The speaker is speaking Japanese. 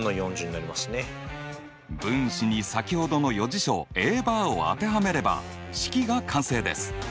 分子に先ほどの余事象Ａバーを当てはめれば式が完成です。